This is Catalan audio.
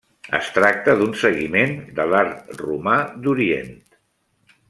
Es tracta d'un seguiment de l'art romà d'Orient.